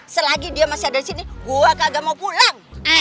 selagi dia masih ada disini gue kagak mau pulang